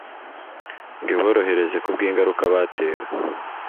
ngo iborohereze ku bw'ingaruka batewe